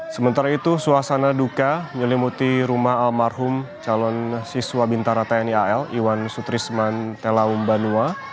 sementara itu suasana duka menyelimuti rumah almarhum calon siswa bintara tndal iwan sutrisman telaum banua